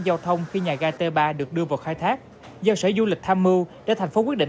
giao thông khi nhà gai t ba được đưa vào khai thác giao sở du lịch tham mưu để thành phố quyết định